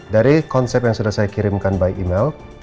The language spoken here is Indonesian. dari konsep yang sudah saya kirimkan by email